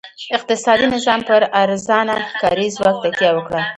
اقتصادي نظام پر ارزانه کاري ځواک تکیه وکړه.